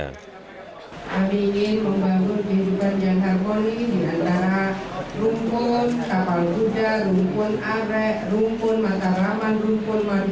kami ingin membangun kehidupan yang harmoni di antara rumpun kapal ruda rumpun arek